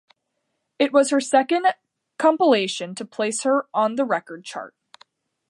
It was her second compilation to place on the record chart.